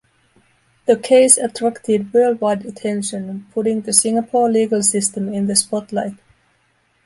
The case attracted worldwide attention, putting the Singapore legal system in the spotlight.